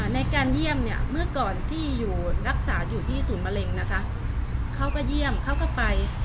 ในการเยี่ยมเนี่ยเมื่อก่อนที่อยู่รักษาอยู่ที่ศูนย์มะเร็งนะคะเขาก็เยี่ยมเขาก็ไป